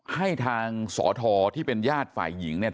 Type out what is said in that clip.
ให้ทางสทที่เป็นญาติฝ่ายหญิงเนี่ย